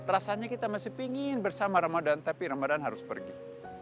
rasanya kita masih pingin bersama ramadan tapi ramadan harus pergi